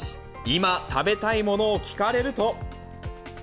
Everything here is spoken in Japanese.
今食べたいものを聞かれると。